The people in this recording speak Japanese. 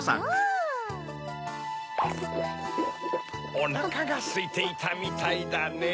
おなかがすいていたみたいだねぇ。